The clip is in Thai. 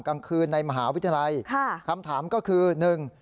กลางคืนในมหาวิทยาลัยค่ะคำถามก็คือหนึ่ง